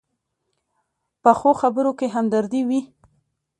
پخو خبرو کې همدردي وي